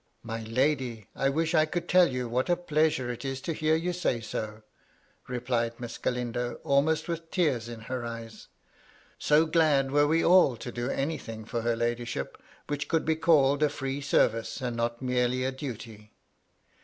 *' My lady, I wish I could tell you what a pleasure it is to hear you say so,'' replied Miss Galindo, almost with tears in her eyes ; so glad were we all to do any tliing for her ladyship, which could be called a free service and not merely a duty.